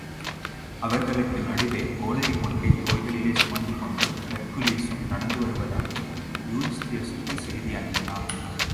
அவர்களுக்கு நடுவே கோளரி ஒன்றைத் தோள்களிலே சுமந்துகொண்டு ஹெர்க்குலிஸும் நடந்து வருவதாயும் யூரிஸ்தியஸுக்குச் செய்தி அனுப்பினான்.